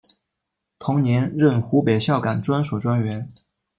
同年任湖北孝感专署专员。